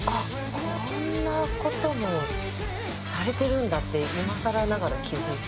こんな事もされてるんだって今更ながら気付いて。